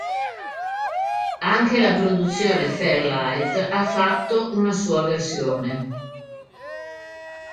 Anche la produzione Fairlight ha fatto una sua versione.